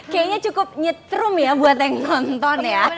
kayaknya cukup nyetrum ya buat yang nonton ya